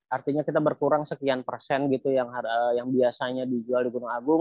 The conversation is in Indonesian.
artinya kita berkurang sekian persen gitu yang biasanya dijual di gunung agung